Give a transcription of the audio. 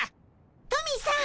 トミーさん